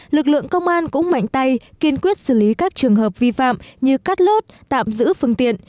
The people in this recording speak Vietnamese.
lực lượng công an cũng mạnh tay kiên quyết xử lý các trường hợp vi phạm như cắt lót tạm giữ phương tiện